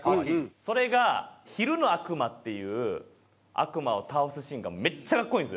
それがヒルの悪魔っていう悪魔を倒すシーンがめっちゃ格好いいんですよ。